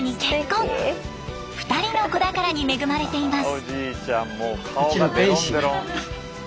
２人の子宝に恵まれています。